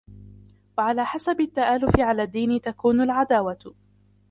وَعَلَى حَسَبِ التَّآلُفِ عَلَى الدِّينِ تَكُونُ الْعَدَاوَةُ